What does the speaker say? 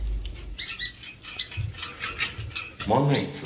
万年筆を。